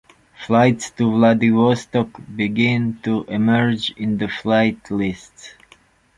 Flights to Vladivostok began to emerge in the flight lists.